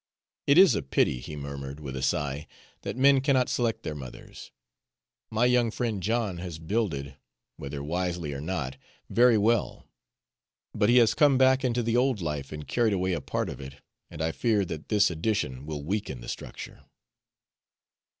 "It is a pity," he murmured, with a sigh, "that men cannot select their mothers. My young friend John has builded, whether wisely or not, very well; but he has come back into the old life and carried away a part of it, and I fear that this addition will weaken the structure."